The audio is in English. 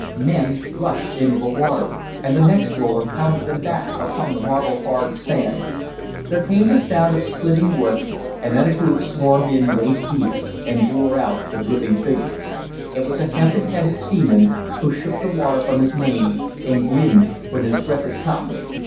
Men rushed into the water, and the next roller pounded them back upon the marble hard sand. There came the sound of splitting wood, and then a group swarmed in waist deep and bore out a dripping figure. It was a hempen headed seaman, who shook the water from his mane and grinned when his breath had come.